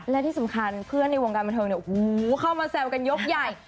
และที่สำคัญเพื่อนในวงการบันเทิงเนี่ยโอ้โหเข้ามาแซวกันยกใหญ่